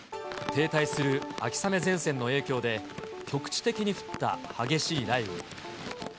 停滞する秋雨前線の影響で、局地的に降った激しい雷雨。